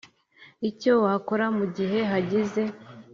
Icyo wakora mu gihe hagize